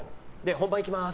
本番いきます！